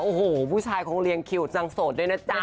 โอ้โหผู้ชายคงเรียงคิวจังโสดด้วยนะจ๊ะ